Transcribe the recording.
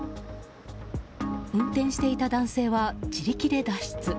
運転していた男性は自力で脱出。